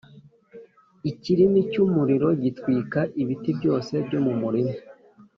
ikirimi cy’umuriro gitwika ibiti byose byo mu murima.